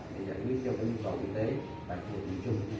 để giải quyết cho bệnh viện quản lý tế tại cuộc đời chung